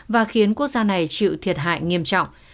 và khiến quốc gia này chịu thiệt hại nghiêm trọng